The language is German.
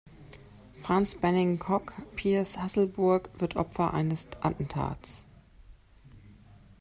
Frans Banning Cocq, Piers Hasselburg, wird Opfer eines Attentats.